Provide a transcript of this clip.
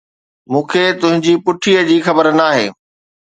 مون کي تنهنجي پٺي جي خبر ناهي!